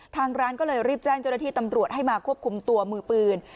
ทางร้านก็เลยรีบแจ้งเจ้าหน้าที่ตำรวจให้มาควบคุมตัวมือปืน